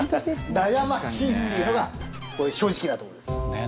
悩ましいっていうのがこれ正直なとこです。